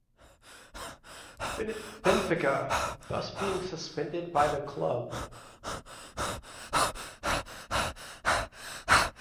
Benfica, thus being suspended by the club.